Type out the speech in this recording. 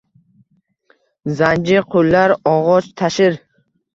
Zanji qullar og’och tashir